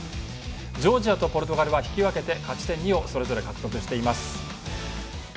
ジョージアとポルトガルは引き分けて勝ち点２をそれぞれ獲得しています。